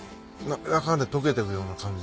滑らかで溶けていくような感じで。